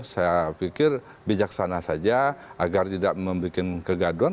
saya pikir bijaksana saja agar tidak membuat kegaduan